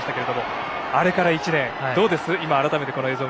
あれから１年、どうです？